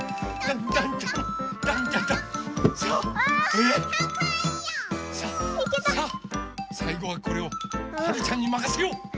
さあさいごはこれをはるちゃんにまかせよう！